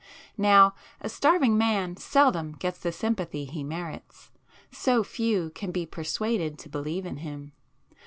Now a starving man seldom gets the sympathy he merits,—so few can be persuaded to believe in him.